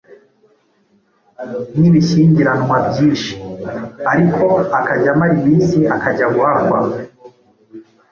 n'ibishyingiranwa byinshi. Ariko akajya amara iminsi akajya guhakwa